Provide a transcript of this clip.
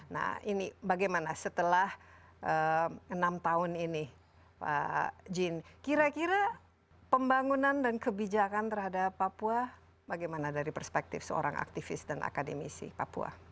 nah ini bagaimana setelah enam tahun ini pak jin kira kira pembangunan dan kebijakan terhadap papua bagaimana dari perspektif seorang aktivis dan akademisi papua